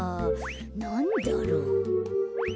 なんだろう？